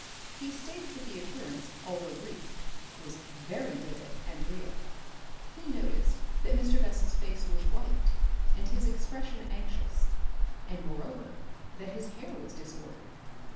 He states that the appearance, although brief, was very vivid and real. He noticed that Mr. Bessel's face was white and his expression anxious, and, moreover, that his hair was disordered.